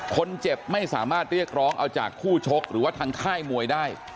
คนเจ็บไม่สามารถเรียกร้องเอาจากคู่ชกหรือว่าทางค่ายมวยได้